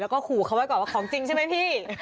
แล้วก็ขู่เขาไว้ก่อนว่าของจริงใช่ไหมพี่